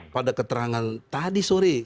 pada keterangan tadi sore